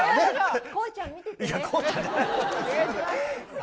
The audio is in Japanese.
こうちゃん、見ててね。